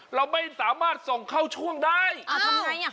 เราไม่สามารถส่งเข้าช่วงได้อ้าวทำอย่างไรเนี่ย